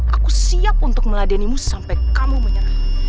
aku siap untuk meladenimu sampai kamu menyerang